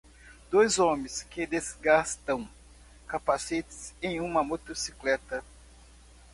Dois homens que desgastam capacetes em uma motocicleta.